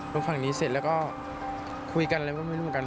ฝั่งนี้เสร็จแล้วก็คุยกันอะไรก็ไม่รู้เหมือนกัน